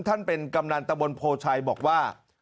ท่านเป็นกำนันตะบนโพชัยบอกว่า